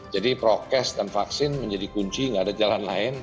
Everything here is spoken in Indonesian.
jadi prokes dan vaksin menjadi kunci gak ada jalan lain